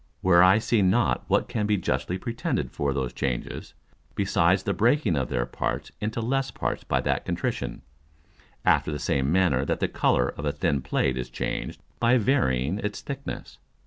Where I see not what can be justly pretended for those changes, besides the breaking of their parts into less parts by that contrition, after the same manner that the Colour of a thin Plate is changed by varying its thickness.